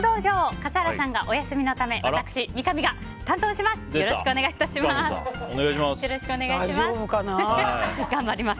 笠原さんがお休みのため私、三上が担当します。